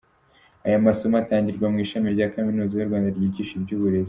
Ayo masomo atangirwa mu Ishami rya Kaminuza y’u Rwanda ryigisha iby’uburezi.